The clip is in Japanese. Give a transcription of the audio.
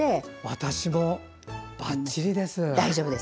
私も、ばっちりです！